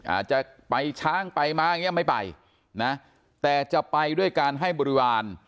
อาจจะไปช้างไปม้าอย่างเงี้ไม่ไปนะแต่จะไปด้วยการให้บริวาร